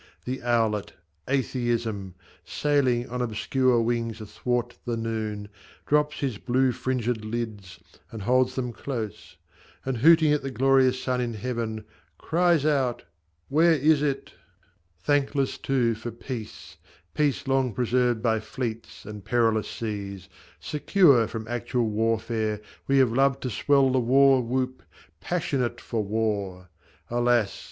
the owlet Atheism, Sailing on obscene wings athwart the noon, Drops his blue fringéd lids, and holds them close, And hooting at the glorious sun in Heaven, Cries out, `Where is it ?' [Image][Image][Image] Thankless too for peace, (Peace long preserved by fleets and perilous seas) Secure from actual warfare, we have loved To swell the war whoop, passionate for war ! Alas